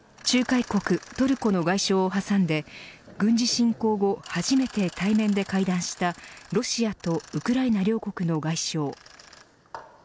仲介国、トルコの外相を挟んで軍事侵攻後、初めて対面で会談したロシアとウクライナ両国の外相。